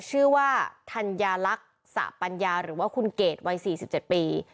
ชื่อว่าธัญญาลักษณ์สะปัญญาหรือว่าคุณเกดวัย๔๗ปี